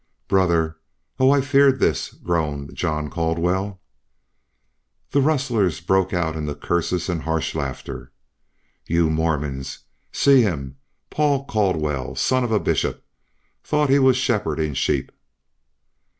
"Brother! Oh! I feared this," groaned John Caldwell. The rustlers broke out into curses and harsh laughter. " you Mormons! See him! Paul Caldwell! Son of a Bishop! Thought he was shepherdin' sheep?"